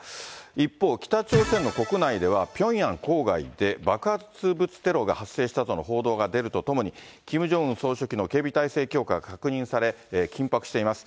一方、北朝鮮の国内では、ピョンヤン郊外で爆発物テロが発生したとの報道が出るとともに、キム・ジョンウン総書記の警備体制強化が確認され、緊迫しています。